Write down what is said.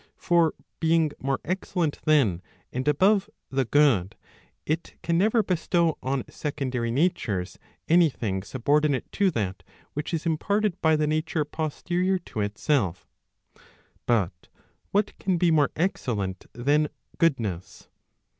For being more excellent than, and above the good, it can never bestow on secondary natures any thing subordinate to that which is imparted by the nature posterior to itself.* But what can be more excellent than goodness